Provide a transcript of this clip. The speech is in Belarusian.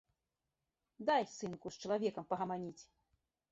Дай, сынку, з чалавекам пагаманіць!